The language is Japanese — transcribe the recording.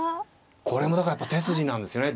これもだからやっぱ手筋なんですよね。